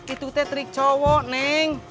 itu teh terik cowok neng